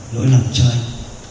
lỗi lầm cho anh